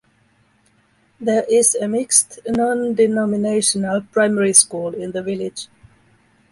There is a mixed, non-denominational primary school in the village.